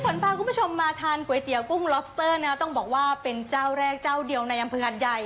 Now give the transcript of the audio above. เราไปกินกันก่อนดีกว่าค่ะ